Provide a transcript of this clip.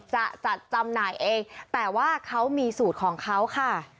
จะจัดจำหน่ายเองแต่ว่าเขามีสูตรของเขาค่ะ